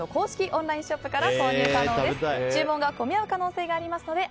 オンラインショップから購入可能です。